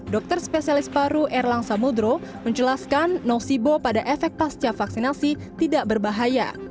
dokter spesialis paru erlang samudro menjelaskan nosibo pada efek pasca vaksinasi tidak berbahaya